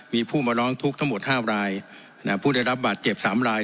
มีผู้มาร้องทุกข์ทั้งหมดห้ามรายนะครับผู้ได้รับบัตรเจ็บสามราย